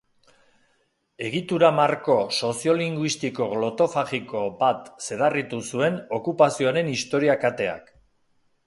Egitura-marko soziolinguistiko glotofagiko bat zedarritu zuen okupazioaren historia-kateak.